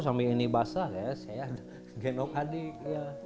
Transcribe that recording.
sampai ini basah ya saya genong adik